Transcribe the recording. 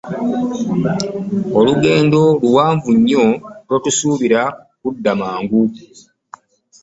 Olugendo luwanvu nnyo totusuubira kudda mangu.